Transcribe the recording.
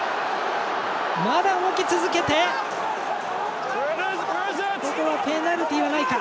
まだ動き続けてここはペナルティーはないか。